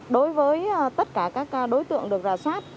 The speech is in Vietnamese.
đối với tất cả các đối tượng được rào sát